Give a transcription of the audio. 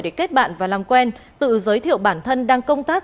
để kết bạn và làm quen tự giới thiệu bản thân đang công tác